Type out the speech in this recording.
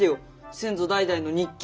先祖代々の日記。